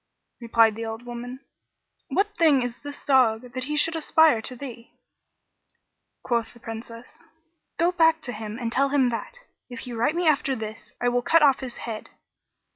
Replied the old woman, "What thing is this dog that he should aspire to thee?" Quoth the Princess, "Go back to him and tell him that, if he write me after this, I will cut off his head."